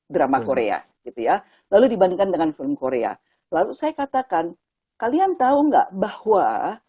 drama korea gitu ya lalu dibandingkan dengan film korea lalu saya katakan kalian tahu nggak bahwa